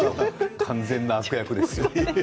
完全な悪役ですよね。